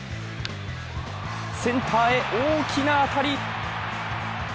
センターへ大きな当たり。